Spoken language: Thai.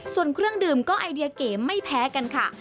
ส่วนเครื่องดื่มก็ไอเดียเก๋ไม่แพ้กันค่ะ